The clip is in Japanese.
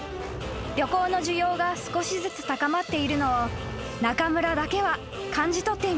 ［旅行の需要が少しずつ高まっているのを中村だけは感じ取っていました］